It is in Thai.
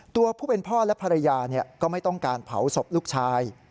ตัวผู้เป็นพ่อและภรรยาก็ไม่ต้องการเผาศพลูกชาย